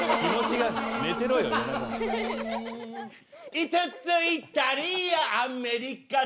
５つイタリア・アメリカだ